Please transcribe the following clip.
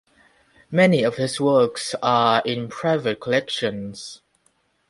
Many of his works are in private collections.